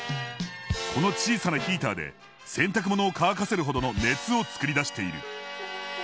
この小さなヒーターで洗濯物を乾かせるほどの熱を作り出している。